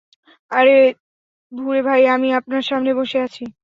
আরে ভুরে ভাই আমি আপনার সামনে বসে আছি।